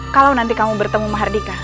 kalau nanti kamu bertemu mahardika